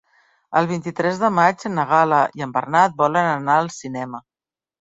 El vint-i-tres de maig na Gal·la i en Bernat volen anar al cinema.